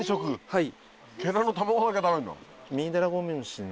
はい。